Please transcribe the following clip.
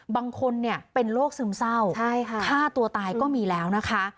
บางคนเป็นโรคซึมเศร้าฆ่าตัวตายก็มีแล้วนะคะ